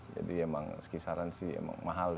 jadi emang sekisaran sih emang mahal